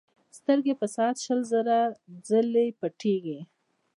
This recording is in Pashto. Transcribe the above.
سترګې په ساعت شل زره ځلې پټېږي.